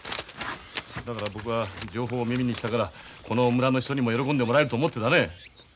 だから僕は情報を耳にしたからこの村の人にも喜んでもらえると思ってだね。